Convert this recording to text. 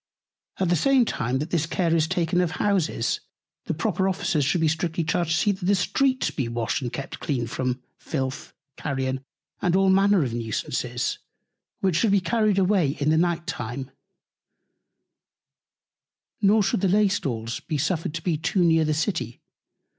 At the same time, that this Care is taken of Houses, the proper Officers should be strictly charged to see that the Streets be washed and kept clean from Filth, Carrion, and all Manner of Nusances; which should be carried away in the Night Time; nor should the Laystalls be suffered to be too near the City.